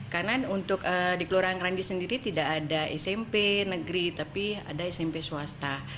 karena untuk di keluaran kranji sendiri tidak ada smp negeri tapi ada smp swasta